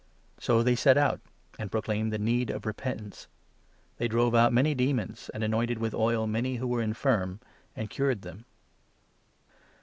So they set out, and proclaimed the need of repentance. 12 They drove out many demons, and anointed with oil many 13 who were infirm, and cured them.